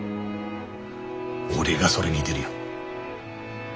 俺がそれ見でるよ。